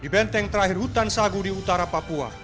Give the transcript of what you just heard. di benteng terakhir hutan sagu di utara papua